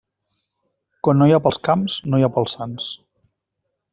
Quan no hi ha pels camps no hi ha per als sants.